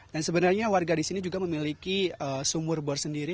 dan sebenarnya warga di sini juga memiliki sumur bor sendiri